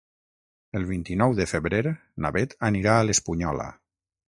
El vint-i-nou de febrer na Bet anirà a l'Espunyola.